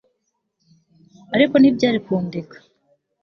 ariko ntibyari kundeka